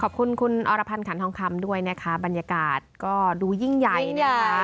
ขอบคุณคุณอรพันธ์ขันทองคำด้วยนะคะบรรยากาศก็ดูยิ่งใหญ่นะคะ